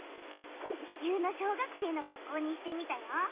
地球の小学生のかっこうにしてみたよ。